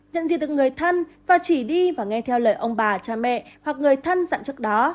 nhận diện được người thân và chỉ đi và nghe theo lời ông bà cha mẹ hoặc người thân dặn trước đó